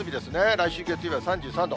来週月曜日は３３度。